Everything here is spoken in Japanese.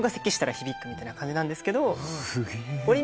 みたいな感じなんですけど。